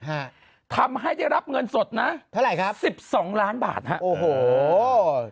ฮะทำให้ได้รับเงินสดนะเท่าไหร่ครับสิบสองล้านบาทฮะโอ้โห